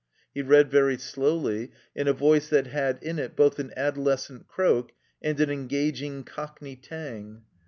He read very slowly, in a voice that had in it both an adolescent croak and an engaging Cockney tang.